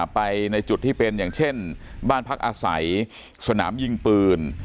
ไปในจุดที่เป็นอย่างเช่นบ้านพักอาศัยสนามยิงปืน